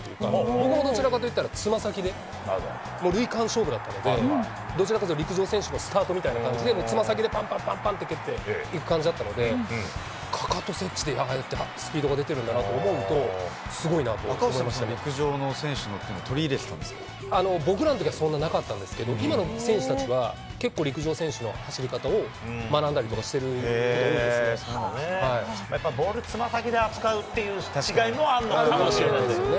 僕もどちらかといったら、つま先で、もう塁間勝負だったので、どちらかというと陸上選手のスタートみたいな感じで、つま先でぱんぱんぱんぱんって蹴っていく感じだったので、かかと接地でああやってスピードが出てるんだなと思うと、すごい赤星さん、陸上の選手の、僕らのときはそんななかったんですけど、今の選手たちは結構陸上選手の走り方を学んだりとかしてることがやっぱボール、つま先で扱うっていう違いもあるのかもしれないけどね。